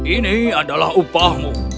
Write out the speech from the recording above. ini adalah upahmu